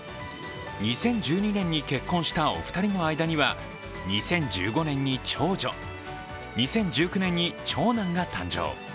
２０１２年に結婚したお二人の間には２０１５年に長女、２０１９年に、長男が誕生。